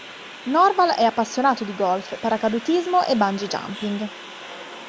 Norval è appassionato di golf, paracadutismo e bungee jumping.